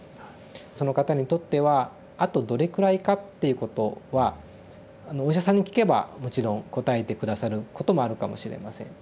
その方にとってはあとどれくらいかっていうことはお医者さんに聞けばもちろん答えて下さることもあるかもしれません。